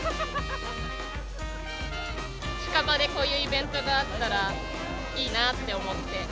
近場でこういうイベントがあったらいいなって思って。